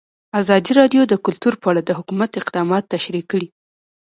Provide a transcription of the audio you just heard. ازادي راډیو د کلتور په اړه د حکومت اقدامات تشریح کړي.